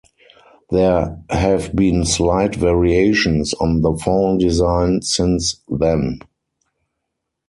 There have been slight variations on the font design since then.